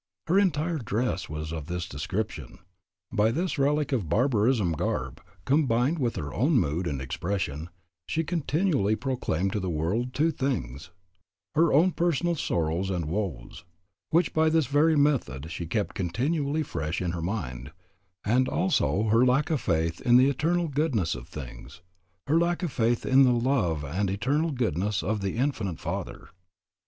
Her entire dress was of this description. By this relic of barbarism garb, combined with her own mood and expression, she continually proclaimed to the world two things, her own personal sorrows and woes, which by this very method she kept continually fresh in her mind, and also her lack of faith in the eternal goodness of things, her lack of faith in the love and eternal goodness of the Infinite Father.